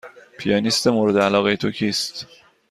پیانیست مورد علاقه تو کیست؟